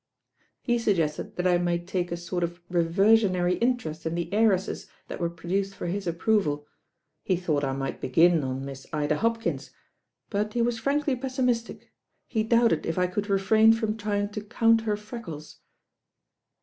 "He suggested that I might take a sort of re versionary interest in the heiresses that were pro duced for his approval. He thought I might begin on Miss Ida Hopkins; but he was frankly pessimis tic. He doubted if I could refrain from trying to count her freckles."